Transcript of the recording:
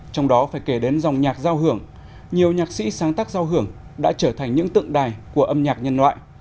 trong đó phải kể đến dòng nhạc giao hưởng nhiều nhạc sĩ sáng tác giao hưởng đã trở thành những tượng đài của âm nhạc nhân loại